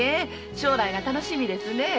将来が楽しみですね。